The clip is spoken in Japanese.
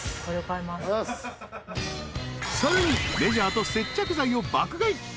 ［さらにメジャーと接着剤を爆買い］